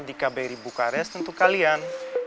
di kbri bukares tentu kalian